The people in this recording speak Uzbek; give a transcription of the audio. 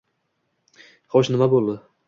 - Xo'sh nima bo'ldi?